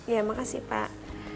ya makasih pak